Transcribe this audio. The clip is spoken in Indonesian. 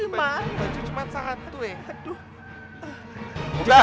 wajah cuman sangat tu white